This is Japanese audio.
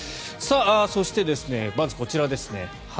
そして、まずこちらですね。